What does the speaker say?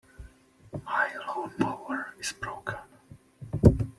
My lawn-mower is broken.